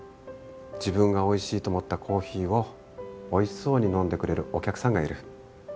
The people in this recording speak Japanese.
自分がおいしいと思ったコーヒーをおいしそうに飲んでくれるお客さんがいる。